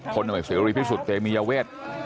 คนหน่วยเสร็จวิสุขเตรมียเวช